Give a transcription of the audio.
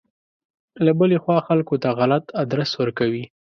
له بلې خوا خلکو ته غلط ادرس ورکوي.